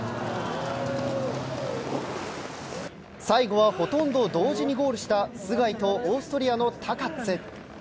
最後はほとんど同時にゴールした須貝とオーストリアのタカッツ。